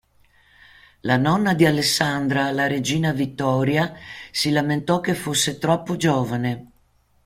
La nonna di Alessandra, la regina Vittoria, si lamentò che fosse troppo giovane.